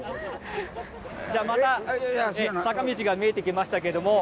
じゃまた坂道が見えてきましたけども。